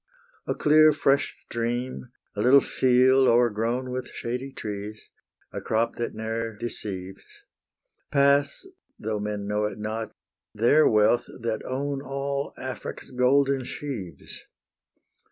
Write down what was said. A clear fresh stream, a little field o'ergrown With shady trees, a crop that ne'er deceives, Pass, though men know it not, their wealth, that own All Afric's golden sheaves.